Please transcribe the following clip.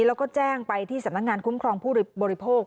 แล้วก็แจ้งไปที่สำนักงานคุ้มครองผู้บริโภค